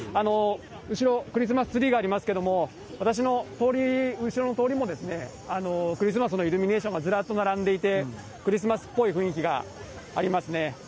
後ろ、クリスマスツリーがありますけども、私の後ろの通りもですね、クリスマスのイルミネーションがずらっと並んでいて、クリスマスっぽい雰囲気がありますね。